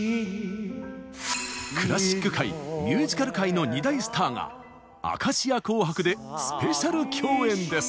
クラシック界ミュージカル界の２大スターが「明石家紅白！」でスペシャル共演です。